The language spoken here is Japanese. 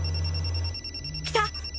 来た？